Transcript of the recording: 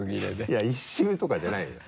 いや一周とかじゃないのよ。